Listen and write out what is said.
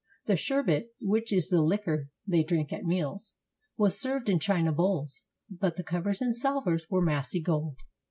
The sherbet (which is the liquor they drink at meals) was served in china bowls; but the cov ers and salvers were massy gold.